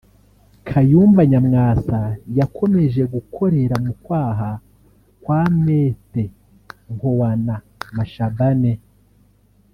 Kayumba Nyamwasa yakomeje gukorera mu kwaha kwa Maite Nkoana-Mashabane